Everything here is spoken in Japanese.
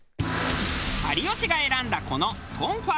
有吉が選んだこのトンファー。